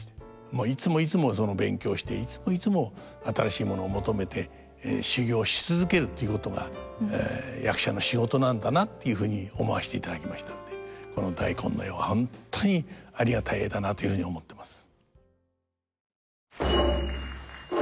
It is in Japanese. もういつもいつも勉強していつもいつも新しいものを求めて修業し続けるということが役者の仕事なんだなっていうふうに思わせていただきましたのでこの大根の絵は本当にありがたい絵だなというふうに思ってます。